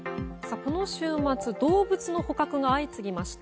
この週末動物の捕獲が相次ぎました。